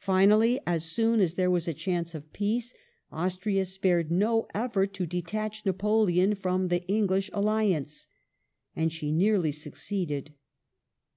Finally, as soon as there was a chance of peace, Austria spared no effort to detach Napoleon from the English alliance. And she nearly succeeded.